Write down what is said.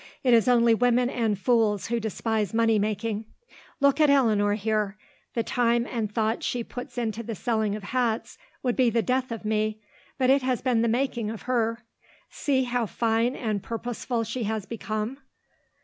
It is only women and fools who despise money making. Look at Eleanor here. The time and thought she puts into the selling of hats would be the death of me, but it has been the making of her. See how fine and purposeful she has become.